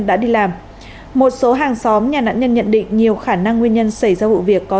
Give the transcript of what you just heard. đã đi làm một số hàng xóm nhà nạn nhân nhận định nhiều khả năng nguyên nhân xảy ra vụ việc có